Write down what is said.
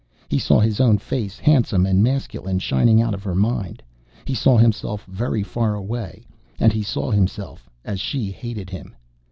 He saw his own face, handsome and masculine, shining out of her mind. He saw himself very far away and he saw himself as she hated him.